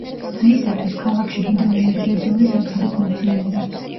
დღეისათვის, ქალაქში ჰიდროენერგიის ორი სადგური ფუნქციონირებს.